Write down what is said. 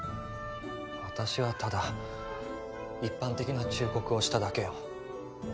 私はただ一般的な忠告をしただけよ